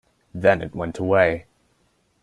Then it went away.